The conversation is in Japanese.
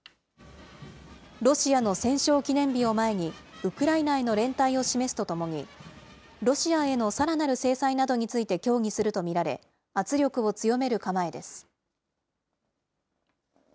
ロシアの戦勝記念日を前に、ウクライナへの連帯を示すとともに、ロシアへのさらなる制裁などについて協議すると見られ、圧力を強める構えです。